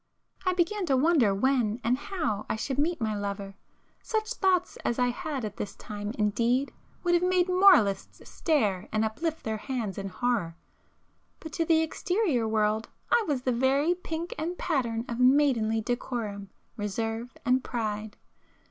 I began to wonder when and how I should meet my [p 409] lover,—such thoughts as I had at this time indeed would have made moralists stare and uplift their hands in horror,—but to the exterior world I was the very pink and pattern of maidenly decorum, reserve and pride.